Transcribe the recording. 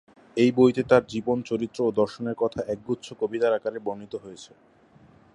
এই বইতে তার জীবন, চরিত্র ও দর্শনের কথা একগুচ্ছ কবিতার আকারে বর্ণিত হয়েছে।